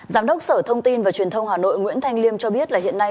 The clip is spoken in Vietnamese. giám đốc sở thông tin và truyền thông hà nội nguyễn thanh liêm cho biết là hiện nay